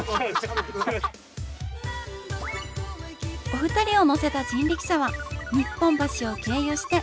お二人を乗せた人力車は日本橋を経由して